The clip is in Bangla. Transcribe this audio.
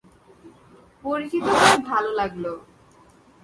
পরিচিত হয়ে ভাল লাগল।